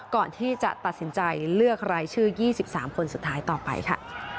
ก่อนที่จะตัดสินใจเลือกรายชื่อ๒๓คนสุดท้ายต่อไปค่ะ